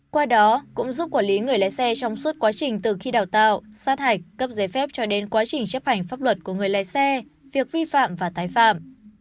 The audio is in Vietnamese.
qua đó cũng giúp quản lý người lái xe trong suốt quá trình từ khi đào tạo sát hạch cấp giấy phép cho đến quá trình chấp hành pháp luật của người lái xe việc vi phạm và tái phạm